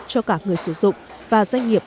cho cả người sử dụng và doanh nghiệp